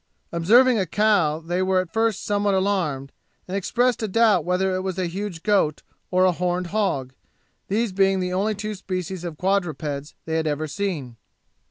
Observing a cow, they were at first somewhat alarmed, and expressed a doubt whether it was a huge goat or a horned hog, these being the only two species of quadrupeds they had ever seen.